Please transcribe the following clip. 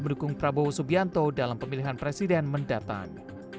mendukung prabowo subianto dalam pemilihan presiden mendatang